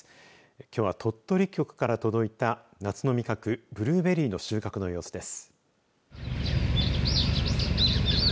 きょうは鳥取局から届いた夏の味覚、ブルーベリーの収穫の様子です。